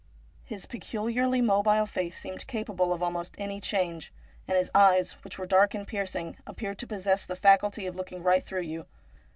His peculiarly mobile face seemed capable of almost any change, and his eyes, which were dark and piercing, appeared to possess the faculty of looking right through you.